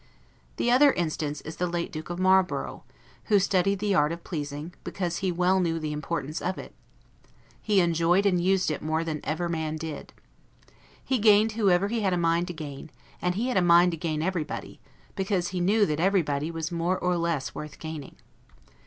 The other instance is the late Duke of Marlborough, who studied the art of pleasing, because he well knew the importance of it: he enjoyed and used it more than ever man did. He gained whoever he had a mind to gain; and he had a mind to gain everybody, because he knew that everybody was more or less worth gaining.